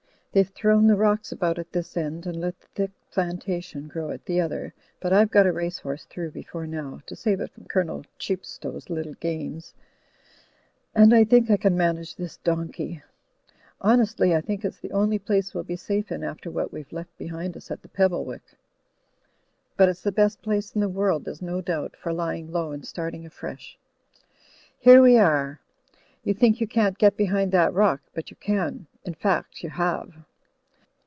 They've thrown the rocks about at this end; and let the thick plantation grow at the other, but I've got a race horse through before now, to save it from Colonel Qiep stow's little games, and I think I can manage this donkey. Honestly, I think it's the only place we'll be safe in after what we've left behind us at Pebble wick. But it's the best place in the world, there's no doubt, for lying low and starting afresh. Here we are. You think you can't get behind that rock, but you can. In fact, you have."